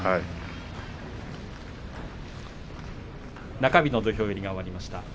中日の土俵入りが終わりました。